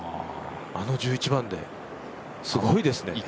あの１１番で、すごいですね。